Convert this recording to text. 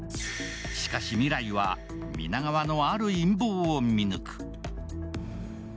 しかし、未来は、皆川のある陰謀を見抜く。